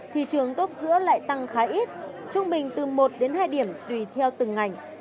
thì trường tốt giữa lại tăng khá ít trung bình từ một đến hai điểm tùy theo từng ngành